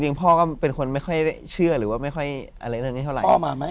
จริงพ่อก็เป็นคนไม่ค่อยเชื่อหรือว่าไม่ค่อยอะไรเท่าไร